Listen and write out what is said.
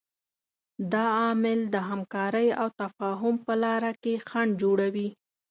دا عامل د همکارۍ او تفاهم په لاره کې خنډ جوړوي.